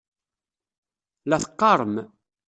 La teqqaṛem.